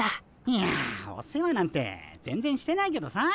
いやお世話なんて全然してないけどさ。